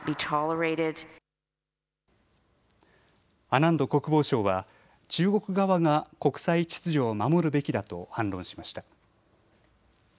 アナンド国防相は中国側が国際秩序を守るべきだと反論しました。